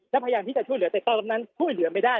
และพยายามที่จะช่วยเหลือแต่ตอนนั้นช่วยเหลือไม่ได้